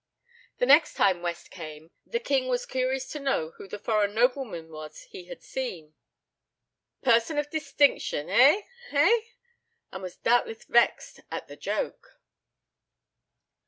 The next time West came, the king was curious to know who the foreign nobleman was he had seen "Person of distinction, eh? eh?" and was doubtless vexed at the joke.